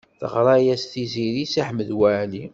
Teɣṛa-yas Tiziri i Si Ḥmed Waɛli.